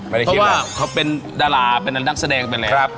เพราะว่าเขาเป็นดาราเป็นนักแสดงส่วนใหญ่